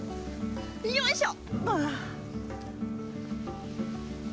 よいしょ！